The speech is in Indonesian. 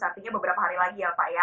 artinya beberapa hari lagi ya pak ya